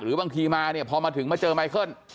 บางทีมาเนี่ยพอมาถึงมาเจอไมเคิล